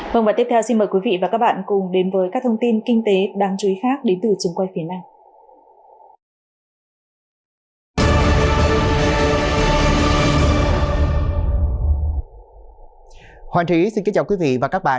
hoàng trí xin kính chào quý vị và các bạn